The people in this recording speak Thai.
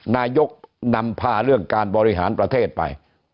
นายกนำพาเรื่องการบริหารประเทศไป